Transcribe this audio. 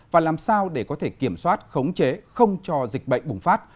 và làm sao để có thể kiểm soát khống chế không cho dịch bệnh bùng phát